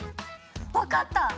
分かった！